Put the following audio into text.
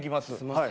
はい